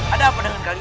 ada apa dengan kalian